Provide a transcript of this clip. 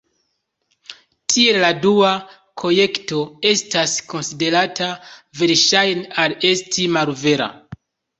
Tiel la dua konjekto estas konsiderata verŝajne al esti malvera.